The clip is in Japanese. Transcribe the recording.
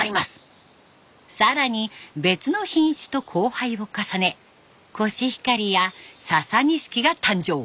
更に別の品種と交配を重ねコシヒカリやササニシキが誕生！